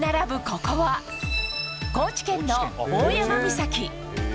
ここは、高知県の大山岬。